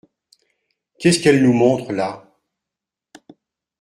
Qu’est-ce qu’elle nous montre là ?